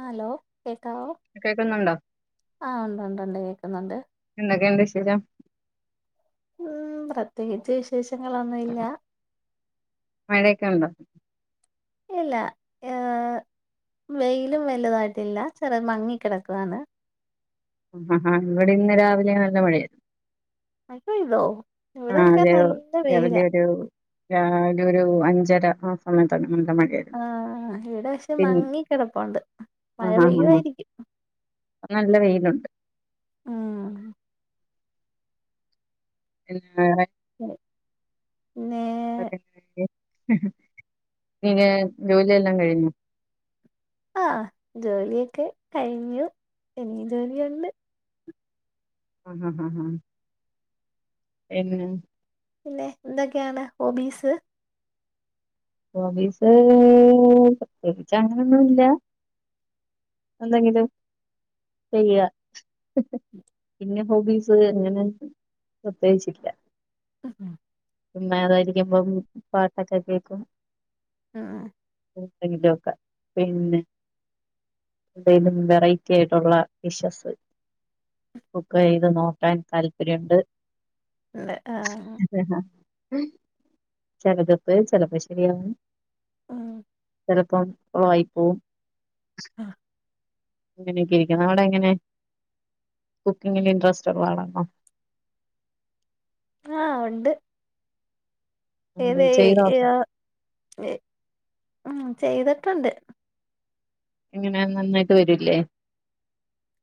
ആ ഹലോ കേക്കാവോ കേക്ക്ന്നുണ്ടോ ആഹ് ഉണ്ട്ണ്ട് ഉണ്ട് കേക്കുന്നുണ്ട് എന്തൊക്കെയുണ്ട് വിശേഷം ഉം പ്രത്യേകിച്ച് വിശേഷങ്ങളൊന്നുല്ലാ മഴയൊക്കെണ്ടോ ഇല്ല ഏ വെയിലും വല്തായിട്ടില്ല ചെറിയ മങ്ങി കിടക്കുവാണ് ആ ആ ഇവിടെ ഇന്ന് രാവിലെ നല്ല മഴേ അവ്ട്ക്കേയ്തോ ആ അത് രാവിലെ ഒരു രാവിലൊരു അഞ്ചര ആ സമയത്താണ് നല്ല ആ മഴയായിരുന്നു ഇവിടെ പക്ഷെ പിന്നെ മങ്ങി കിടപ്പുണ്ട് മഴ ആഹാ ഹാ ഹാ പെയ്യുവായിരിക്കും നല്ല വെയിലുണ്ട് ആ [unintelligible] പിന്നെ പിന്നെ ജോലിയെല്ലാം കഴിഞ്ഞോ ആ ജോലിയൊക്കെ കഴിഞ്ഞു എനിയും ജോലിയുണ്ട് അഹ് അഹ് ഹാ എന്തിന് പിന്നെ എന്തൊക്കെയാണ് ഹോബീസ് ഹോബീസ് പ്രത്യേകിച്ചങ്ങനൊന്നുംല്ല- എന്തെങ്കിലും ചെയ്യുക- പിന്നെ ഹോബീസ് അങ്ങനെ പ്രത്യേകിച്ചില്ല- ഉം പിന്നെ അതായിരിക്കുമ്പം പാട്ടൊക്കെ കേക്കും- ആഹ് - ത്ത് കിലോക്കെ പിന്നെ- എന്തെലും വെറൈറ്റി ആയിട്ടുള്ള ഡിഷസ്- കുക്ക് ചെയ്ത് നോക്കാൻ താല്പര്യെണ്ട്- അതെ ആഹ് - ചെലത്പ്പ് ചെലപ്പം ശരിയാവും- [inaudible] ചെലപ്പം കുളവായി പോം അങ്ങനെക്കെ ഇരിക്കുന്നു അവിടെ എങ്ങനെ കുക്കിങ്ങിൽ ഇൻട്രസ്റ്റ് ഉള്ളആളാന്നോ ആഹ് ഉണ്ട് ഉണ്ട് ഏത് ചെയ്ത് ഈ നോക്ക് ആഹ് ഏഹ് ഉം ചെയ്തിട്ടുണ്ട് എങ്ങനെ നന്നായിട്ട് വരൂല്ലേ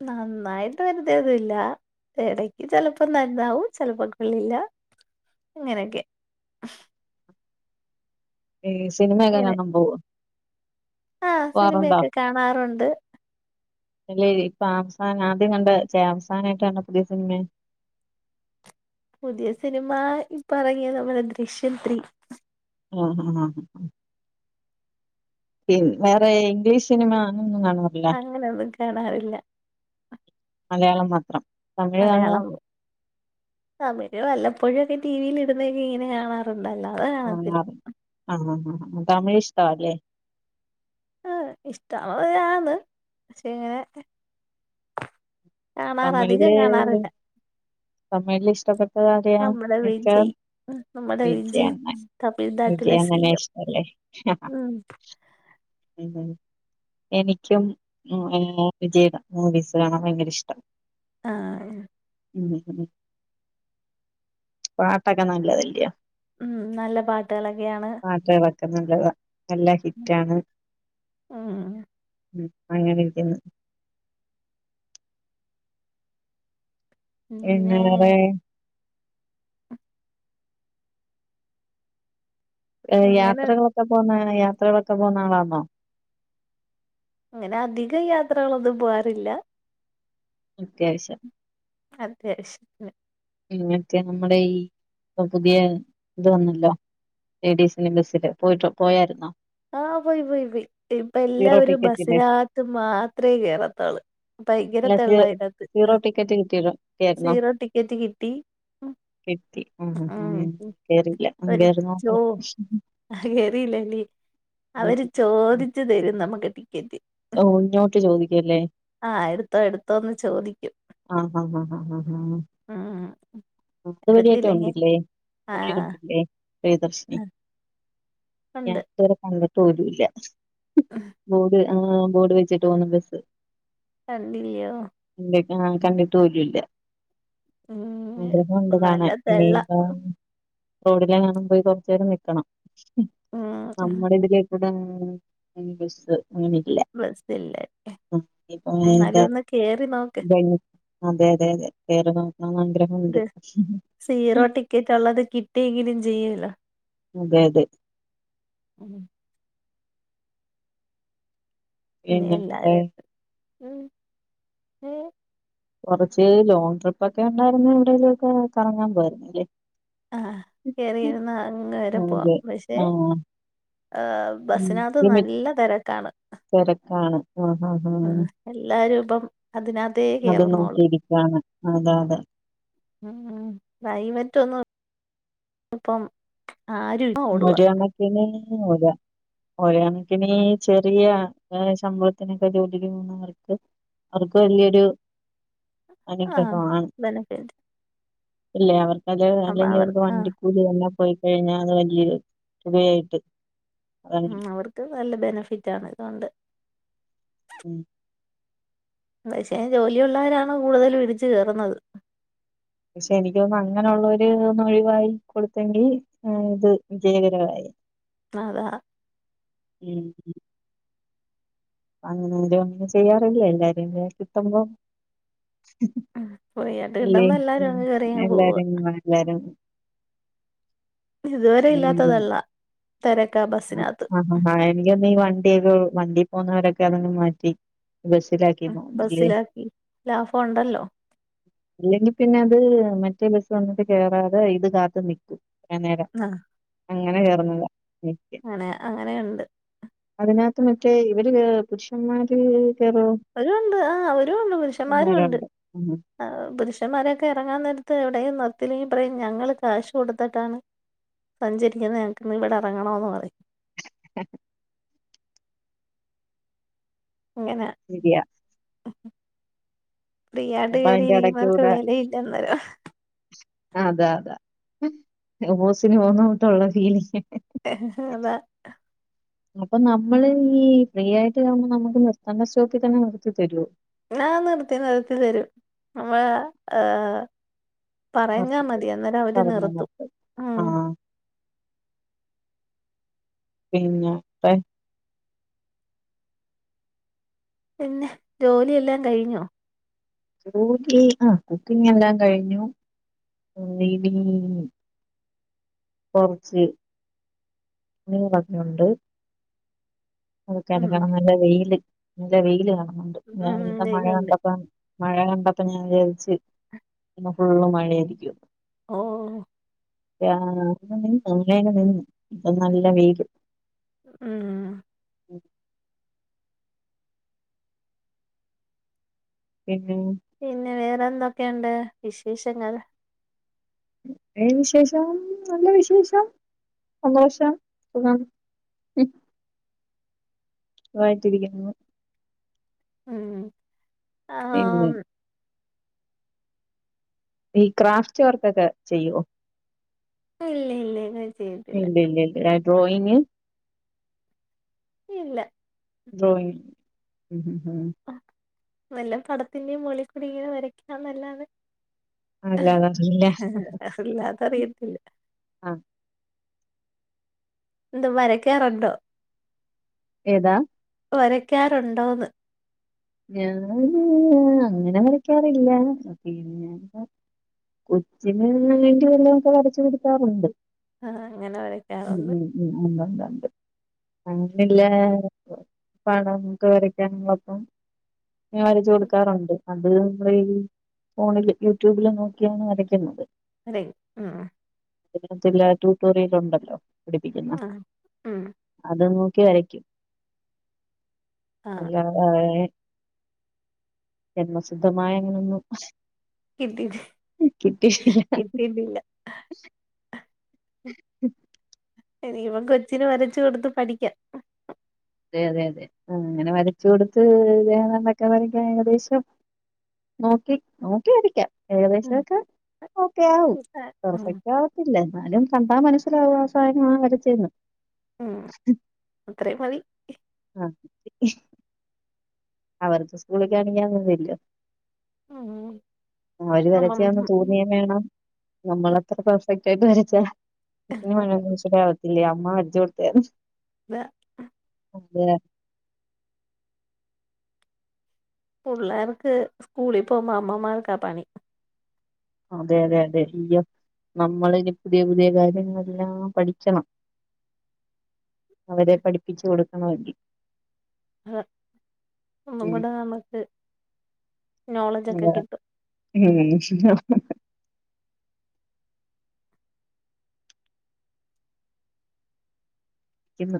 നന്നായിട്ട് വേരുന്നേ ഒന്നുഇല്ല ഇടക്ക് ചിലപ്പോ നന്നാവും ചിലപ്പോ കൊള്ളില്ല അങ്ങനെഓക്കെ ഈ സിനിമഓക്കെകണം പോവോ ആഹ് പോവാറുണ്ടോ സിനിമഒക്കെ കാണാറുണ്ട് അല്ലേ ഇപ്പൊ അവസാന ആദ്യം കണ്ട ചേ അവസാന ആയിട്ട് കണ്ട പുതിയ സിനിമേ പുതിയ സിനിമ ഇപ്പറങ്ങിയ നമ്മുടെ ദൃശ്യ ത്രീ ആഹ് ആഹ് ആഹ് ആഹ് പിൻ വേറെ ഇംഗ്ലീഷ് സിനിമ അങ്ങനൊന്നും കാണാറില്ല അങ്ങനൊന്നും കാണാറില്ല മലയാളം മാത്രം തമിഴ് കാണുവോ മലയാളം തമിഴ് വല്ലപ്പോഴൊക്കെ ടി വിൽ ഇടുന്നെ ഇങ്ങി ഇങ്ങനെ കാണാറു കാണാറു ആഹ് ആഹ് ആഹ് തമിഴ് ഇഷ്ടവാ ആല്ലേ ആഹ് ഇഷ്ട [unintelligible] ഒള്ളാരാൾ പക്ഷെ കാണാറ് അധികം തമിഴിലെത് കാണാറില്ല തമിഴിൽ ഇഷ്ടപ്പെട്ട ആരെയാ നമ്മുടെ വിജയ് ഉം നമ്മുടെ വിജയ് വിജആണ്ണൻ വിജയ് തമിഴ്നാട്ടിലെ സി അങ്ങനെ എം ഇഷ്ടല്ലേ ഉം ഉം ഉം എനിക്കും മു വിജടെ മൂവീസ് കാണാൻ ഭയങ്കര ഇഷ് ആഹ് ഉം ഉം പാട്ടൊക്കെ നല്ലതെല്ലയൊ ഉം നല്ല പാട്ടുകളൊക്കെയാണ് ക്കെ നല്ലത നല്ല ഹിറ്റാണ്. ഉം ഉം അങ്ങെനിരിക്കുന്നു. എൻ പിന്നെ ആർ എ ഏഹ് എങ്ങനെ യാത്രകളൊക്കെ പോകുന്നെങ്ങനെയാ യാത്രകളൊക്കെ പോകുന്ന ആളാന്നോ? അങ്ങനെ അധിക യാത്രകളൊന്നും പോവാറില്ല. അത്യാവശ്യ അത്യാവശ്യ അതെ എങ്ങൻ ത്യാ നമ്മടെ ഈ പ്പ പുതിയ ഇത് വന്നല്ലോ. ലേഡീസിന്റെ ബസ്സില് പോയിട്ട് പോയാരുന്നോ? ആഹ് പോയി പോയി പോയി. ഇപ്പ സീറോ എല്ലാവരും ടിക്കറ്റിന്റെ ബസിനാത്ത് മാത്രേ കേറത്തൊള്ള്. ഭയങ്കര തള്ളായിനാത്ത്. അഹ് ല്ല കേക്കണം ന്നിട്ട് കിട്ടി. ഉം കിട്ടി ഉം ഉം ഉം കേറില്ല ഒന്ന് കേറി നോക്കണം. കേറില്ല അല്ലേ അവര് ഉം. ചോദിച്ചു തരും. നമുക്ക് ടിക്കറ്റ്. ഓ ഇങ്ങോട്ട് ചോദിക്കല്ലേ ആഹ് എടുത്തോ എടുത്തോന്ന് ചോദിക്കും. ആഹ് ആഹ് ആഹ് ആഹ് ആഹ് ഉം അതുവഴിയൊക്കെ എടുത്തില്ലെങ്കി ഉണ്ടില്ലേ. ത് വഴി ആഹ് ഒണ്ടില്ലേ. പ്രിയദർശിനി ഞാൻ ഉണ്ട് ഇതുവരെ കണ്ടിട്ട് പോലുംല്ല. ബോർഡ് ആഹ് ബോർഡ് വെച്ചിട്ട് പോന്ന ബസ്. തന്നില്ല്യോ കണ്ടി ആഹ് കണ്ടിട്ട് പോലൂല്ല. ഉം ആഗ്രഹോണ്ട് നല്ല കാണാൻ തെള്ള ഇനിപ്പ റോഡിലെങാണം പോയി കൊറച്ചേരം നിക്കണം. ഉം നമ്മുടെ ഇതിലേകൂ താനാ അനിബസ്. അങ്ങനില്ല ബസ്സില്ലേ ആഹ് ഇപ്പോ [unintelligible] എന്നാലും ഒന്ന് കേറി നോക്ക് എന്തായ് അതെ അതെ അതെ കേറി നോക്കണമെന്ന് ആഗ്രഹമുണ്ട്. ഒരു സീറോ ടിക്കറ്റ് ഒള്ളത് കിട്ടിയെങ്കിലും ചെയ്യൂല. അതെ അതെ. ഉം പിന്നെ എല്ലാരും ഉം ഉം കൊറച്ച് ലോങ്ങ് ട്രിപ്പക്കെ ഉണ്ടായിരുന്നൊണ്ടെല് ഒക്കെ കറങ്ങാൻ പോകാരുന്നില്ലേ? ആഹ് കേറിയിര്ന്ന് അങ്ങ്വരെ പോവാം. അതെ പക്ഷെ ആഹ് ഏഹ് ബസിനകത്ത് ഉം നല്ല തെരക്കാണ്. ആഹ് എല്ലാരും ഇപ്പൊ അത് നോക്കിയിരിക്കയാണ്. അതെ അതെ. ഉം പ്രൈവറ്റ് ഒന്നും ഇപ്പ ഒരു കണക്കിന് ഒര ഓര്കണക്കിന് ചെറിയ ഏഹ് ശമ്പളത്തിനൊക്കെ ജോലിക്ക് പോക്ന്നവർക്ക് അവർക്ക് വലിയൊരു ആഹ് അനുഗ്രഹമാണ്. ബെനഫിറ്റ് ഇല്ലേ അവർക്കത് അപ്പൊ അല്ലെങ്കി അവർ അവക്ക് ആഹ് വണ്ടി കൂലി എല്ലാ പോയിക്കഴിഞ്ഞാ അത് വല് ഈ ഒരു തുണയായിട്ട്. ഉം അവർക്ക് നല്ല ബെനഫിറ്റ് ആണ് ഇതൊണ്ട്. ഉം പശ്ശെ ജോലിയുള്ളവരാണ് കൂടുതലും ഇടിച്ച് കേറുന്നത്. പക്ഷെ എനക്ക്തോന്നുന്ന അങ്ങനെയുള്ളവര് ഒന്ന് ഒഴിവായി കൊടുത്തെങ്കി ഏഹ് ഇത് വിജയകരവായി. അതാ ഉം ഉം അങ്ങനാരും അങ്ങനെ ചെയ്യാറില്ല എല്ലാരുടെകൂടെ കിട്ടുമ്പോ ഫ്രീയായിട്ട് ഇല്ല കിട്ടുമ്പോ എല്ലാരും അങ്ങ് കേറിയങ്ങ് പോവാ എല്ലാരും എല്ലാരും ഇതുവരെ ഇല്ലാത്തതല്ല തെരക്കാ ബസ്സിനകത്ത് ആ എനിക്കൊന്ന വണ്ടി [inaudible] വണ്ടി പോന്നവരൊക്കെ അതൊന്നു മാറ്റി. ബാസിലാക്കി തോന്നുന്നു അല്ലെ. ബസ്സിലാക്കി ലാഭം ഉണ്ടല്ലോ അല്ലെങ്കി പിന്നെ അത് മ റ്റ ബസ്സ് വന്നിട്ട് കേറാതെ ഇത് കാത്ത് നിക്കും. അ നേരം അങ്ങനെ കേയറുന്നില്ല. അനെ അങ്ങനെയുണ്ട്. അതിനകത്ത് മറ്റേ ഇവര് പുരുഷന്മാര് ഒരു ഉണ്ട് ആ ഒരു ഉണ്ട് പുരുഷമ്മാരും ഉണ്ട് കേറുന്നവരുണ്ട് ഉം പുരുഷന്മാരൊക്കെ ഇറങ്ങാൻ നേര എവിടെയും നിർത്തില്ലെങ്കി പറയും ഞങ്ങൾ കാശ് കൊടുത്തിട്ടാണ് സഞ്ചരിക്കുന്നത് ഞങ്ങക്ക്ന്ന് ഇവിടെ ഇറങ്ങണന്ന് പറയും. [unintelligible] ഇങ്ങനെ ശരിയ ഫ്രീയാട്ട് അതിന്റെ കേയറിയിരിക്കുന്നവർക്ക് ഇടയ്ക്കൂടെ വെലയില്ലന്നരം അത അത ഓസിന് മൂന്നോട്ടുള്ള ഫീലിങ് അ അപ്പൊ നമ്മള് ഈ ഫ്രീ ആയിട്ട് കാവുമ്പോ നമുക്ക് നിർത്തണ്ട സ്റ്റോപ്പിൽ തന്നെ നിർത്തി തരുോ ആ നിർത്തി നിർത്തിൽ തരും നമ്മ ഏ പറഞ്ഞാ നിർത്തിക്കോ മതി അന്നേരം അവര് പറഞ്ഞ നിർത്തും ഉ ആ പിന്നെ പെ പിന്നെ ജോലിയെല്ലാം കഴിഞ്ഞോ ജോലി ആ കുക്കിങ് എല്ലാം കഴിഞ്ഞു [unintelligible] കുറച്ച് തുണികളൊക്കെ ഉണ്ട് അതൊക്കെ ഉം അലക്കണം നല്ല വെയില് നല്ല വെയില് കാണുന്നുണ്ട് ഉം രാവിലത്തെ മഴ വെയിലുണ്ട് കണ്ടപ്പം മഴ കണ്ടപ്പം ഞാൻ വിചരിച്ച് ഇന്ന് ഫുള്ള് മഴ ആയിരിക്കും ഓ ആ അങ്ങന നി അങ്ങനെ നിന്നു ഇപ്പ നല്ല വെയിലു ഉം ഉഉം പിന്നെ വേറെ എന്തൊക്കെയുണ്ട് വിശേഷങ്ങൾ വിശേഷം നല്ല വിശേഷം സന്തോഷം [unintelligible] ഉ വായിട്ടിരിക്കരുന്നു ഉ ഉം ആ ഹാ പിന്നെ ആം ഈ ക്രാഫ്റ്റ് വർക്കൊക്കെ ചെയ്യോ ഇല്ലില്ലി ഇത്‌ ഇല്ലി ല്ലി ല്ലി ആ ഡ്രോയിങ് ഇല്ല ഡ്രോയിങ് മുമ്മ് വെല്ലാം പടത്തിന്റെയും മോളിക്കുടയും വരക്കാ നല്ലാതെ അല്ലാതെ അറിയില്ല അല്ലാത അറിയത്തില്ല ആ എന്താ വരക്കറണ്ടോ ഏതാ വരക്കാറുണ്ടോന്ന് ഞാന് അങ്ങനെ വരക്കാറില്ല പിന്നെ കൊച്ചിന് വേണ്ടി വല്ലൊക്കെ വരച്ചു കൊടുക്കാറുണ്ട് ആ അങ്ങനെ ഉ വരയ്ക്കാറുണ്ട് ഉം ഉം ഉ ഉണ്ടണ്ട് അങ്ങനെല്ല പടംക്കെ വരക്കാനങ്ങളൊപ്പം ഇങ്ങനെ വരച്ചു കൊടുക്കാറൂണ്ട് അത് നമ്മളീ ഈ ഫോണില് യൂട്യൂബില് നോക്കിയാണ് വരയ്ക്കുന്നത്. അതെ ആ ആ അധികം ചെല ട്യൂട്ടോറിയൽ ഉണ്ടല്ലോ ആ പഠപ്പിക്കുന്ന ഉം അതൊന്ന് നൊക്കി വരയ്ക്കും ആ ഇല്ല ആ ഏ ജന്മസിദ്ധമായ അങ്ങനൊന്നും കിട്ടിട്ടി കിട്ടിട്ടില്ല കിട്ടിട്ടില്ല ഇനിയിപ്പോം കൊച്ചിന് വരച്ച് കൊടുത്ത് പഠിക്കാം അതെ അതെ അതെ ആ അങ്ങനെ വരച കൊടുത്ത് ദേഹണ്ടൊക്കെ വരയ്ക്കൻ ഏകദേശം നോക്കി നോക്കിവരാക്കാം ഏകദേശം ഉം ഒക്കെ ഓക്കെ ആവും ഉം പെർഫക്റ്റ് ആവത്തില്ല എന്നാലും കണ്ടാ മനസ്സിലാവും ആശാന് ഞാൻ വരുത്തേനും ഇത്രേം മതി അവർക്ക് സ്കൂളിൽ കാണെ [unintelligible] ഉം അവര് അമ്മം വരച്ചയെന്ന് തോന്നേം വേണം നമ്മളെത്ര പെർഫെക്റ്റ് ആയിട്ട് വരച്ചാ മിസ്സ്‌ന്‌ വാങ്ങിയതൊന്നും ഇഷ്ടപ്പെടാൻ ആവത്തില്ലേ അമ്മ വരച് കൊടുത്താര്ന്നു ഇല്ല അതെ പുള്ളാർക്ക് സ്കൂളി പോവുമ്പൊ അമ്മമാർക്ക പണി അതെ അതെ അതെ ഇയ്യോ നമ്മളിനി പുതിയ തിയ കാര്യങ്ങളെല്ലാം പഠിച്ചണം അവരെ പഠിപ്പിച്ചു കൊടുക്കണങ്കി ഉം അഇവടെ നമക്ക് മ് ഹ അ ക്ക്ന്നു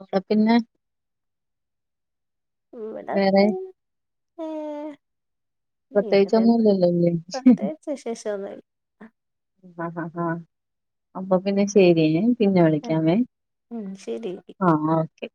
ന്ന പിന്നെ ഇവടെ വേറെ അച്ഛൻ ഏ ഇവിടെണ്ട് പ്രത്യേകിച്ചൊന്നുമില്ലല്ലോ ഇല്ലേ? പ്രത്യേകിച്ച് വിശേശൊന്നു ആ ഹ ഹ അപ്പൊ പിന്നെ ശരിയെ പിന്നെ വിളിക്കാമെ ഉം ശരി ആ ഓക്കെ